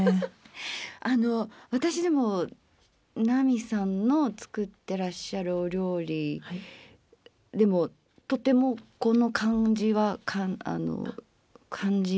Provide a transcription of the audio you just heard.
あの私でも奈美さんの作ってらっしゃるお料理でもとてもこの感じはあの感じます。